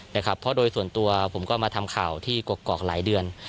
นะครับเพราะโดยส่วนตัวผมก็มาทำข่าวที่กกอกหลายเดือน